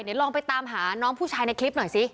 เดี๋ยวลองไปตามหาน้องผู้ชายในคลิปหน่อยสิ